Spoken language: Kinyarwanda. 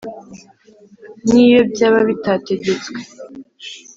n'iyo byaba bitategetswe,